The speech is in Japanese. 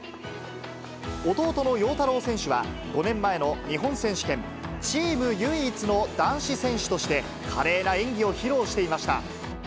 弟の陽太郎選手は、５年前の日本選手権、チーム唯一の男子選手として、華麗な演技を披露していました。